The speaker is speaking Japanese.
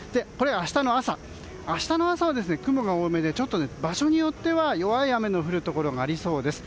明日の朝は雲が多めで場所によっては弱い雨の降るところもありそうです。